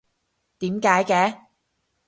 點解嘅？